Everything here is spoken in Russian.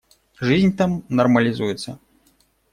Жизнь там нормализуется.